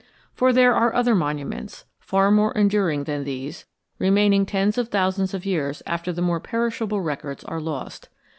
For there are other monuments, far more enduring than these, remaining tens of thousands of years after the more perishable records are lost.